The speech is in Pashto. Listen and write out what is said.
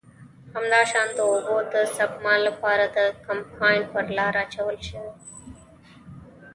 همداشان د اوبو د سپما له پاره د کمپاین پر لاره واچول شي.